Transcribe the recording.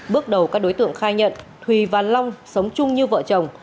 bước đầu các đối tượng khai nhận thùy và long sống chung như vợ chồng